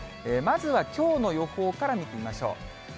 まずはきょうの予報から見てみましょう。